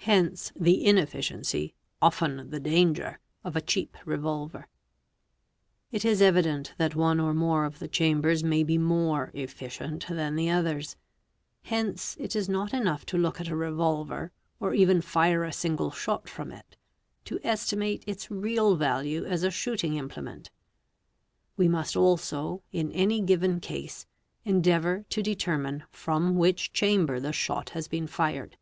Hence the inefficiency, often the danger, of a cheap revolver. el It is evident that one or more of the chambers may be more 'efficient' than the others; hence it is not enough to look at a revolver, or even fire a single shot from it, to estimate its real value as a shooti ng implement; we must also, in any given case, endeavour to determine — from which chamber the shot has been fired.